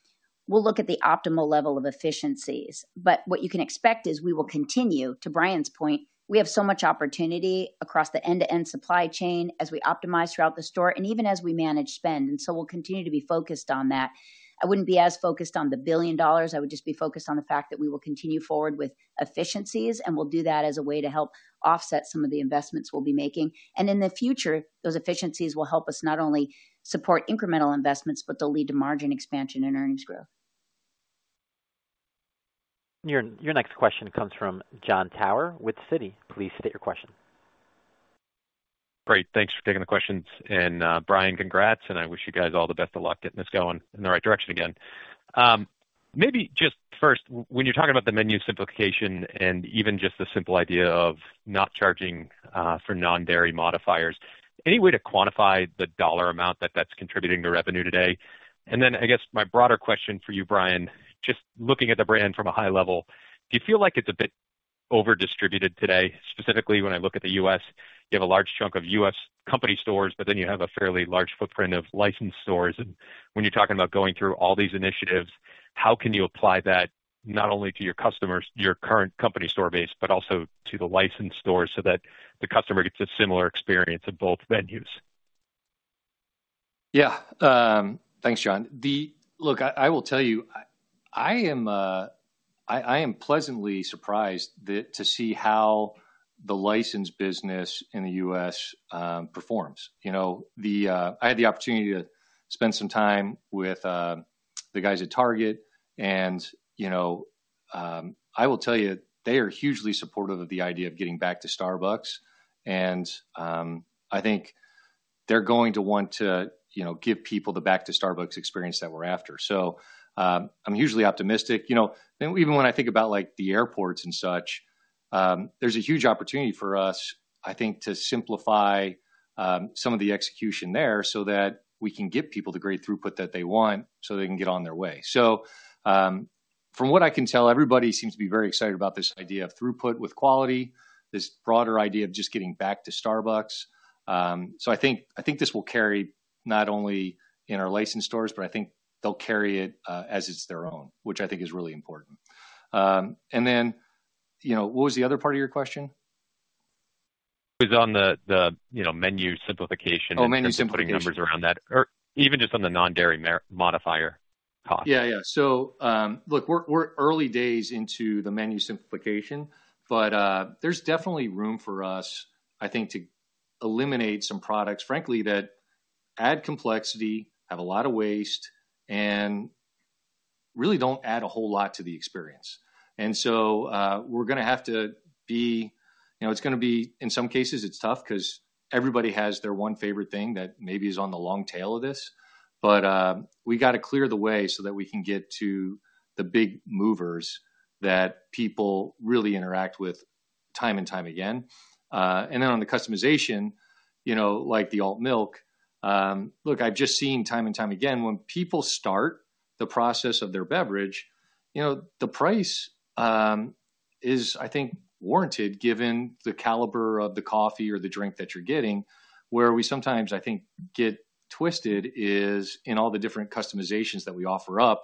We'll look at the optimal level of efficiencies. But what you can expect is we will continue, to Brian's point, we have so much opportunity across the end-to-end supply chain as we optimize throughput in the store and even as we manage spend. And so we'll continue to be focused on that. I wouldn't be as focused on the $1 billion. I would just be focused on the fact that we will continue forward with efficiencies, and we'll do that as a way to help offset some of the investments we'll be making. In the future, those efficiencies will help us not only support incremental investments, but they'll lead to margin expansion and earnings growth. Your next question comes from Jon Tower with Citi. Please state your question. Great. Thanks for taking the questions. And Brian, congrats. And I wish you guys all the best of luck getting this going in the right direction again. Maybe just first, when you're talking about the menu simplification and even just the simple idea of not charging for non-dairy modifiers, any way to quantify the dollar amount that that's contributing to revenue today? And then I guess my broader question for you, Brian, just looking at the brand from a high level, do you feel like it's a bit overdistributed today? Specifically, when I look at the U.S., you have a large chunk of U.S. company stores, but then you have a fairly large footprint of licensed stores. When you're talking about going through all these initiatives, how can you apply that not only to your customers, your current company store base, but also to the licensed stores so that the customer gets a similar experience at both venues? Yeah. Thanks, Jon. Look, I will tell you, I am pleasantly surprised to see how the licensed business in the U.S. performs. I had the opportunity to spend some time with the guys at Target, and I will tell you, they are hugely supportive of the idea of getting back to Starbucks, and I think they're going to want to give people the back-to-Starbucks experience that we're after, so I'm hugely optimistic. Even when I think about the airports and such, there's a huge opportunity for us, I think, to simplify some of the execution there so that we can get people the great throughput that they want so they can get on their way, so from what I can tell, everybody seems to be very excited about this idea of throughput with quality, this broader idea of just getting back to Starbucks. So I think this will carry not only in our licensed stores, but I think they'll carry it as it's their own, which I think is really important. And then what was the other part of your question? It was on the menu simplification. Oh, menu simplification. And putting numbers around that, or even just on the non-dairy modifier cost. Yeah. Yeah. So look, we're early days into the menu simplification, but there's definitely room for us, I think, to eliminate some products, frankly, that add complexity, have a lot of waste, and really don't add a whole lot to the experience. And so we're going to have to. It's going to be, in some cases, tough because everybody has their one favorite thing that maybe is on the long tail of this. But we got to clear the way so that we can get to the big movers that people really interact with time and time again. And then on the customization, like the alt milk, look, I've just seen time and time again when people start the process of their beverage, the price is, I think, warranted given the caliber of the coffee or the drink that you're getting. Where we sometimes, I think, get twisted is in all the different customizations that we offer up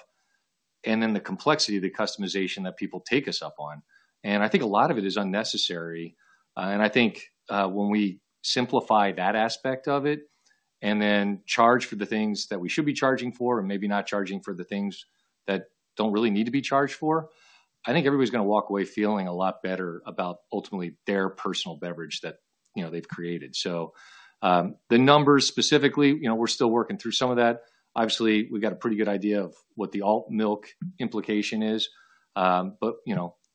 and then the complexity of the customization that people take us up on, and I think a lot of it is unnecessary, and I think when we simplify that aspect of it and then charge for the things that we should be charging for and maybe not charging for the things that don't really need to be charged for, I think everybody's going to walk away feeling a lot better about ultimately their personal beverage that they've created, so the numbers specifically, we're still working through some of that. Obviously, we've got a pretty good idea of what the alt milk implication is, but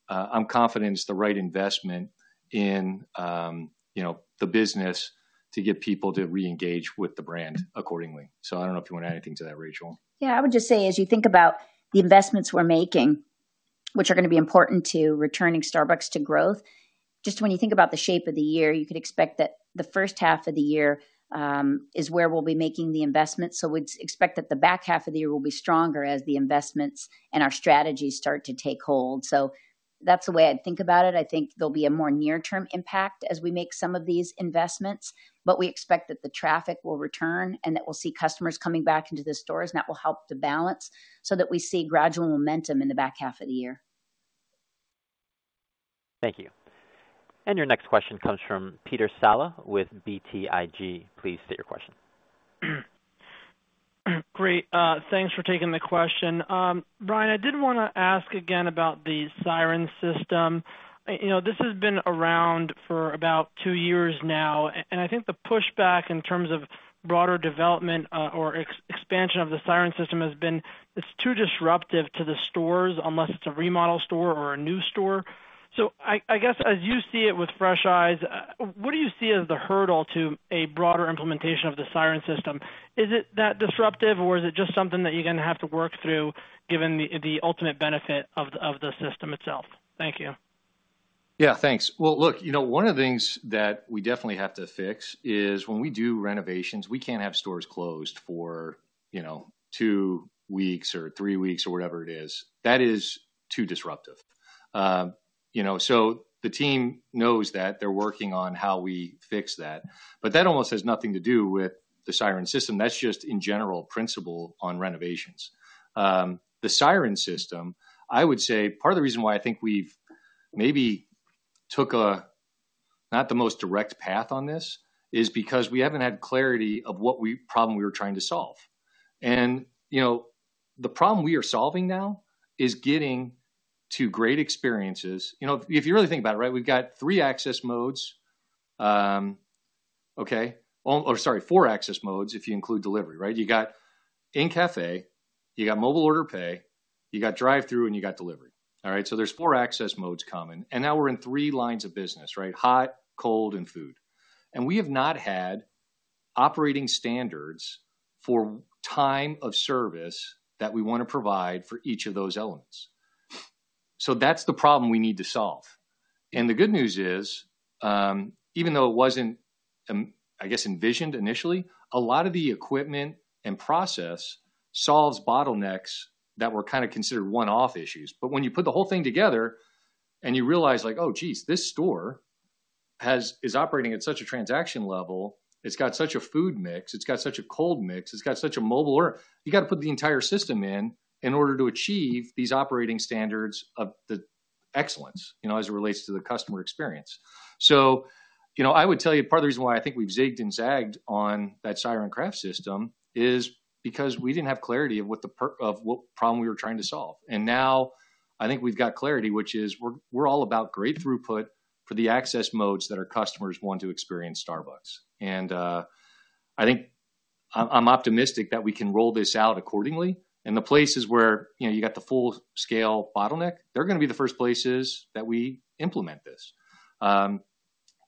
I'm confident it's the right investment in the business to get people to reengage with the brand accordingly. So I don't know if you want to add anything to that, Rachel? Yeah. I would just say as you think about the investments we're making, which are going to be important to returning Starbucks to growth. Just when you think about the shape of the year, you could expect that the first half of the year is where we'll be making the investments. So we'd expect that the back half of the year will be stronger as the investments and our strategies start to take hold. So that's the way I'd think about it. I think there'll be a more near-term impact as we make some of these investments, but we expect that the traffic will return and that we'll see customers coming back into the stores, and that will help to balance so that we see gradual momentum in the back half of the year. Thank you. And your next question comes from Peter Saleh with BTIG. Please state your question. Great. Thanks for taking the question. Brian, I did want to ask again about the Siren System. This has been around for about two years now, and I think the pushback in terms of broader development or expansion of the Siren System has been it's too disruptive to the stores unless it's a remodel store or a new store. So I guess as you see it with fresh eyes, what do you see as the hurdle to a broader implementation of the Siren System? Is it that disruptive, or is it just something that you're going to have to work through given the ultimate benefit of the system itself? Thank you. Yeah. Thanks. Well, look, one of the things that we definitely have to fix is when we do renovations, we can't have stores closed for two weeks or three weeks or whatever it is. That is too disruptive. So the team knows that they're working on how we fix that, but that almost has nothing to do with the Siren System. That's just in general principle on renovations. The Siren System, I would say part of the reason why I think we've maybe took not the most direct path on this is because we haven't had clarity of what problem we were trying to solve. And the problem we are solving now is getting to great experiences. If you really think about it, right, we've got three access modes, okay, or sorry, four access modes if you include delivery, right? You got in cafe, you got mobile order pay, you got drive-thru, and you got delivery. All right? So there's four access modes common. And now we're in three lines of business, right? Hot, cold, and food. And we have not had operating standards for time of service that we want to provide for each of those elements. So that's the problem we need to solve. And the good news is, even though it wasn't, I guess, envisioned initially, a lot of the equipment and process solves bottlenecks that were kind of considered one-off issues. But when you put the whole thing together and you realize like, "Oh, geez, this store is operating at such a transaction level. It's got such a food mix. It's got such a cold mix. It's got such a mobile order." You got to put the entire system in order to achieve these operating standards of excellence as it relates to the customer experience. So I would tell you part of the reason why I think we've zigged and zagged on that Siren Craft System is because we didn't have clarity of what problem we were trying to solve. And now I think we've got clarity, which is we're all about great throughput for the access modes that our customers want to experience Starbucks. And I think I'm optimistic that we can roll this out accordingly. And the places where you got the full-scale bottleneck, they're going to be the first places that we implement this,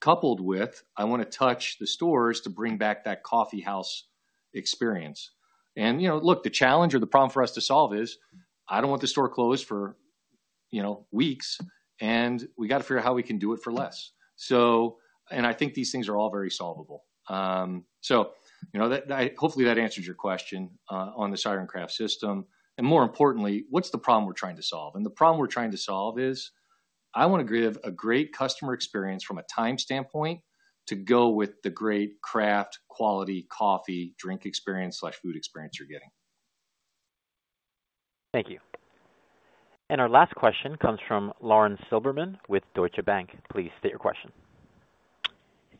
coupled with I want to touch the stores to bring back that coffeehouse experience. And look, the challenge or the problem for us to solve is I don't want the store closed for weeks, and we got to figure out how we can do it for less. And I think these things are all very solvable. So hopefully that answers your question on the Siren Craft System. And more importantly, what's the problem we're trying to solve? And the problem we're trying to solve is I want to give a great customer experience from a time standpoint to go with the great craft quality coffee drink experience/food experience you're getting. Thank you. And our last question comes from Lauren Silberman with Deutsche Bank. Please state your question.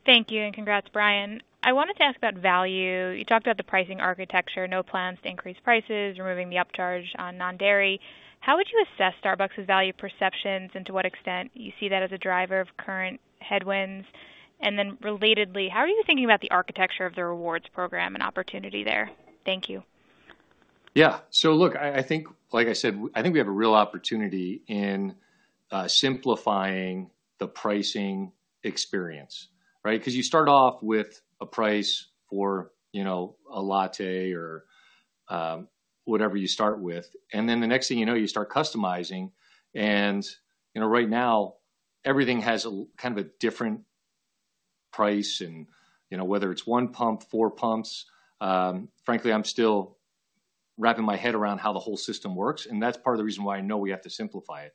Thank you and congrats, Brian. I wanted to ask about value. You talked about the pricing architecture, no plans to increase prices, removing the upcharge on non-dairy. How would you assess Starbucks' value perceptions and to what extent you see that as a driver of current headwinds? And then relatedly, how are you thinking about the architecture of the rewards program and opportunity there? Thank you. Yeah, so look, I think, like I said, I think we have a real opportunity in simplifying the pricing experience, right? Because you start off with a price for a latte or whatever you start with, and then the next thing you know, you start customizing, and right now, everything has kind of a different price, whether it's one pump, four pumps. Frankly, I'm still wrapping my head around how the whole system works, and that's part of the reason why I know we have to simplify it.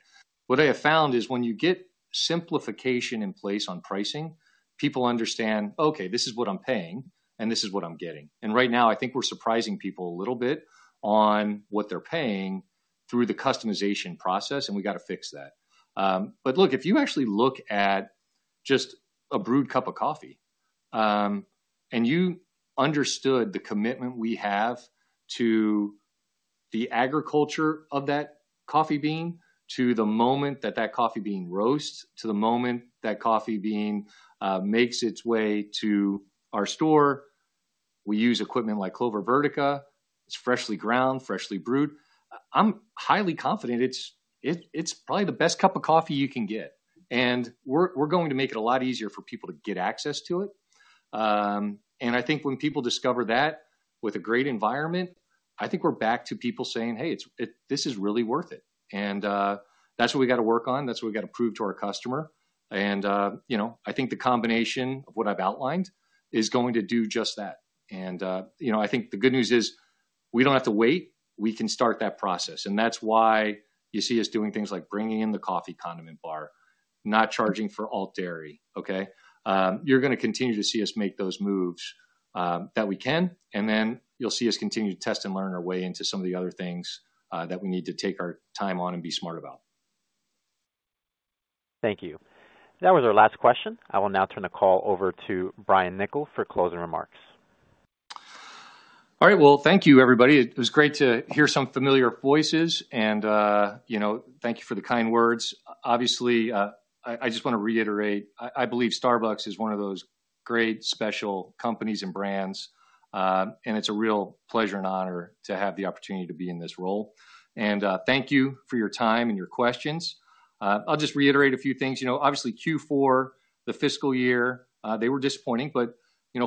What I have found is when you get simplification in place on pricing, people understand, "Okay, this is what I'm paying, and this is what I'm getting," and right now, I think we're surprising people a little bit on what they're paying through the customization process, and we got to fix that. But look, if you actually look at just a brewed cup of coffee and you understood the commitment we have to the agriculture of that coffee bean, to the moment that that coffee bean roasts, to the moment that coffee bean makes its way to our store, we use equipment like Clover Vertica. It's freshly ground, freshly brewed. I'm highly confident it's probably the best cup of coffee you can get. And we're going to make it a lot easier for people to get access to it. And I think when people discover that with a great environment, I think we're back to people saying, "Hey, this is really worth it." And that's what we got to work on. That's what we got to prove to our customer. And I think the combination of what I've outlined is going to do just that. I think the good news is we don't have to wait. We can start that process. That's why you see us doing things like bringing in the coffee condiment bar, not charging for alt dairy, okay? You're going to continue to see us make those moves that we can, and then you'll see us continue to test and learn our way into some of the other things that we need to take our time on and be smart about. Thank you. That was our last question. I will now turn the call over to Brian Niccol for closing remarks. All right. Well, thank you, everybody. It was great to hear some familiar voices, and thank you for the kind words. Obviously, I just want to reiterate, I believe Starbucks is one of those great special companies and brands, and it's a real pleasure and honor to have the opportunity to be in this role. And thank you for your time and your questions. I'll just reiterate a few things. Obviously, Q4, the fiscal year, they were disappointing, but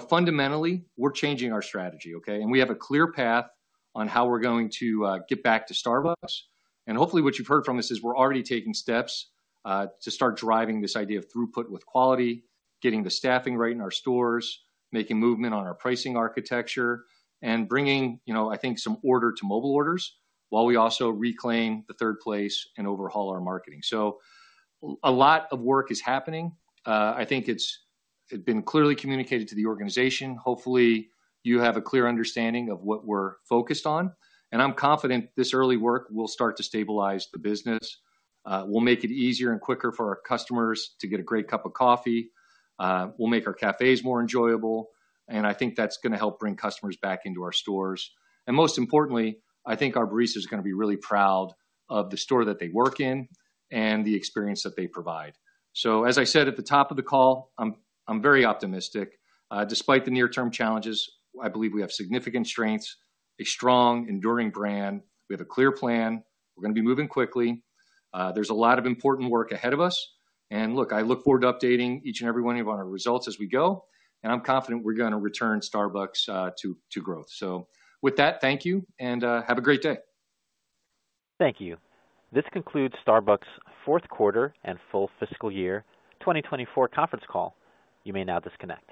fundamentally, we're changing our strategy, okay? And we have a clear path on how we're going to get back to Starbucks. And hopefully, what you've heard from us is we're already taking steps to start driving this idea of throughput with quality, getting the staffing right in our stores, making movement on our pricing architecture, and bringing, I think, some order to mobile orders while we also reclaim the third place and overhaul our marketing. So a lot of work is happening. I think it's been clearly communicated to the organization. Hopefully, you have a clear understanding of what we're focused on. And I'm confident this early work will start to stabilize the business. We'll make it easier and quicker for our customers to get a great cup of coffee. We'll make our cafés more enjoyable. And I think that's going to help bring customers back into our stores. And most importantly, I think our baristas are going to be really proud of the store that they work in and the experience that they provide. So as I said at the top of the call, I'm very optimistic. Despite the near-term challenges, I believe we have significant strengths, a strong, enduring brand. We have a clear plan. We're going to be moving quickly. There's a lot of important work ahead of us. And look, I look forward to updating each and every one of our results as we go. And I'm confident we're going to return Starbucks to growth. So with that, thank you, and have a great day. Thank you. This concludes Starbucks' fourth quarter and full fiscal year 2024 conference call. You may now disconnect.